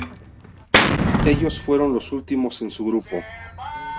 Ellos fueron los últimos en su grupo.